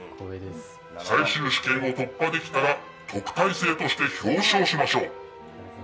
最終試験を突破できたら特待生として表彰しましょう。